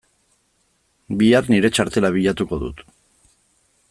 Bihar nire txartela bilatuko dut.